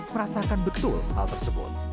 merasakan betul hal tersebut